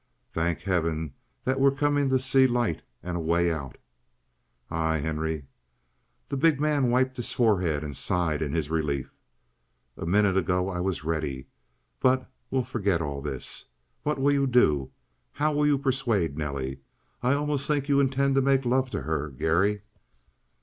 "Thank heaven that we're coming to see light and a way out!" "Aye, Henry." The big man wiped his forehead and sighed in his relief. "A minute ago I was ready but we'll forget all this. What will you do? How will you persuade Nelly? I almost think that you intend to make love to her, Garry!"